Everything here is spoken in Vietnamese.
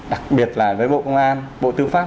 đặc biệt là với bộ công an bộ tư pháp